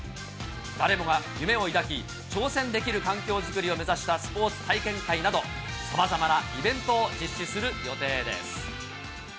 誰もが夢を抱き、挑戦できる環境づくりを目指したスポーツ体験会など、さまざまなイベントを実施する予定です。